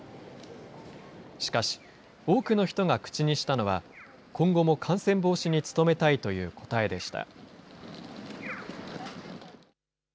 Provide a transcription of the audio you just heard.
しかし、多くの人が口にしたのは、今後も感染防止に努めたいという答えでした。